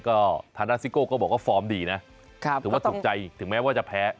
ก็ทานาซิโก้ก็บอกว่าฟอร์มดีนะถือว่าถูกใจถึงแม้ว่าจะแพ้